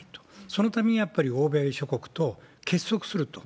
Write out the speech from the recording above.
そのためにやっぱり欧米諸国と結束すると。